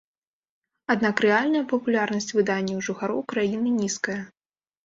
Аднак рэальная папулярнасць выдання ў жыхароў краіны нізкая.